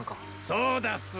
そうだす。